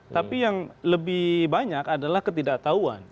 tapi yang lebih banyak adalah ketidaktahuan